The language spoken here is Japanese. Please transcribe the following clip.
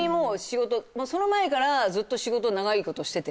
その前からずっと仕事長いことしてて。